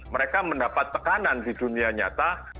mereka mendapat tekanan di dunia nyata